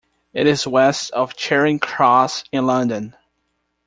It is west of Charing Cross in London.